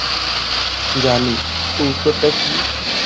জানি, তো উত্তরটা কী?